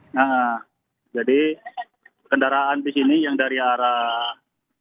nah jadi kendaraan bus ini yang dari arah